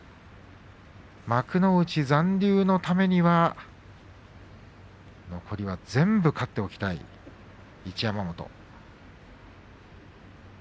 幕内残留のためには残りは全部勝っておきたい一山本。